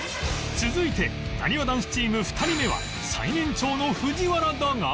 続いてなにわ男子チーム２人目は最年長の藤原だが